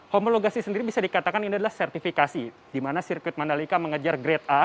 homologacy sendiri bisa dikatakan ini adalah sertifikasi di mana sirkuit mandalika mengejar grade a